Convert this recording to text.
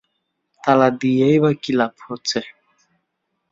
তালা দিয়েই-বা লাভ কী হচ্ছে?